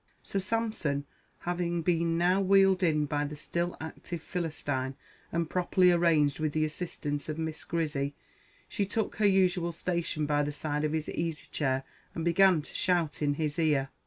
Sir Sampson having been now wheeled in by the still active Philistine, and properly arranged with the assistance of Miss Grizzy, she took her usual station by the side of his easy chair, and began to shout into his ear.